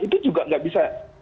itu juga gak bisa